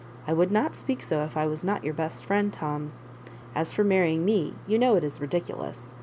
"I would not speak so if I was not your best friend, Tom. As for marrying me, you know it is ridi culous.